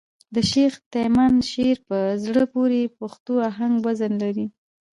د شېخ تیمن شعر په زړه پوري پښتو آهنګ وزن لري.